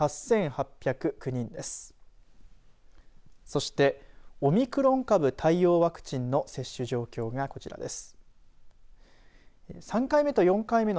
そして、オミクロン株対応ワクチンの接種状況がこちらです。